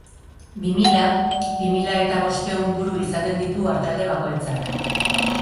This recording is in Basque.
Bi mila, bi mila eta bostehun buru izaten ditu artalde bakoitzak.